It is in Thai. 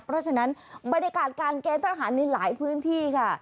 เพราะฉะนั้นบรรยากาศการเกณฑ์ทหารในหลายพื้นที่ค่ะ